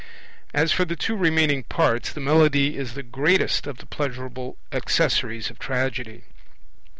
As for the two remaining parts, the Melody is the greatest of the pleasurable accessories of Tragedy.